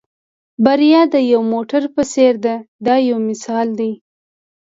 بریا د یو موټر په څېر ده دا یو مثال دی.